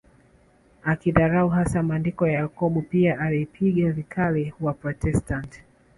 Akidharau hasa maandiko ya Yakobo pia alipinga vikali Waprotestant